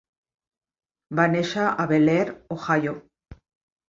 Va néixer a Bellaire, Ohio.